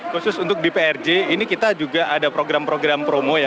khusus untuk di prj ini kita juga ada program program promo ya